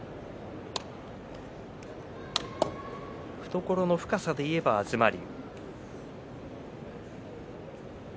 懐の深さでいえば東龍。